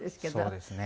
そうですね。